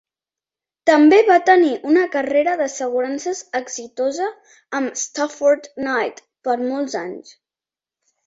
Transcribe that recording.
També va tenir una carrera d'assegurances exitosa amb Stafford Knight per molts anys.